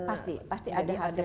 pasti pasti ada hasilnya